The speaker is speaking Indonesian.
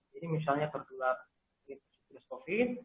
jadi misalnya terdua virus covid